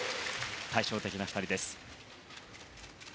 対照的な２人です。